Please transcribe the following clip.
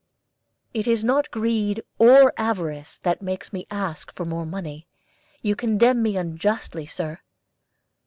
"It is not greed or avarice that makes me ask for more money. You condemn me unjustly, Sir."